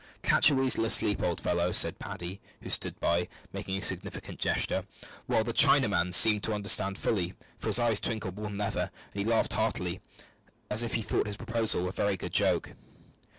"Catch a weasel asleep, old fellow," said Paddy, who stood by, making a significant gesture, which the Chinaman seemed to understand fully, for his eyes twinkled more than ever, and he laughed heartily, as if he thought his proposal a very good joke.